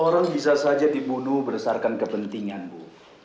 orang bisa saja dibunuh berdasarkan kepentingan bu